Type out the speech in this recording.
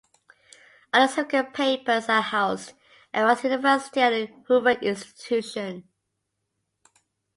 Other significant papers are housed at Rice University and the Hoover Institution.